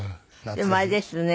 でもあれですね。